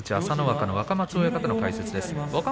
朝乃若の若松親方の解説です。